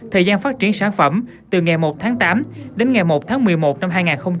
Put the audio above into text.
thời gian phát triển sản phẩm từ ngày một tháng tám đến ngày một tháng một mươi một năm hai nghìn hai mươi